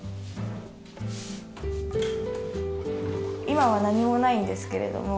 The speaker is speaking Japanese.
今は何もないんですけれども。